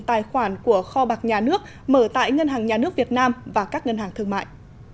tài khoản của kho bạc nhà nước mở tại ngân hàng nhà nước việt nam và các ngân hàng thương mại